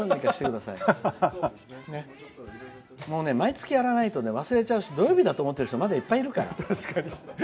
毎月やらないと忘れちゃうし土曜日だと思ってる人まだいっぱいいるから。